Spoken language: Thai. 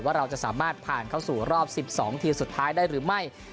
ว่าเราจะสามารถผ่านเข้าสู่รอบ๑๒ทีมสุดท้ายได้หรือไม่